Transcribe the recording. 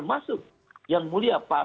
maka kita akan melakukan aksi aksi